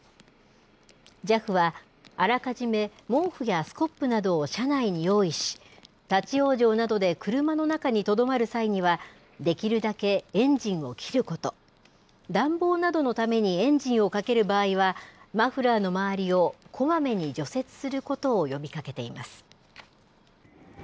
ＪＡＦは、あらかじめ毛布やスコップなどを車内に用意し、立往生などで車の中にとどまる際には、できるだけエンジンを切ること、暖房などのためにエンジンをかける場合は、マフラーの周りをこまめに除雪することを呼びかけています。